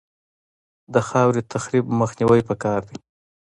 د خاورې تخریب مخنیوی پکار دی